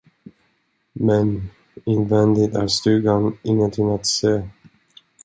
Men invändigt är stugan ingenting att se.